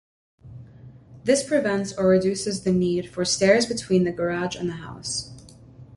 This prevents or reduces the need for stairs between the garage and the house.